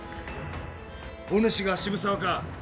おぬしが渋沢か。